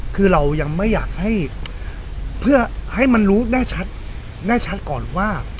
คือเรายังไม่อยากให้เพื่อให้มันรู้แน่ชัดแน่ชัดก่อนว่า